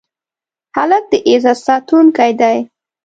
هلک د عزت ساتونکی دی.